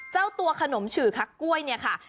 เจ้าตัวขนมฉือคักกล้วยเนี่ยค่ะ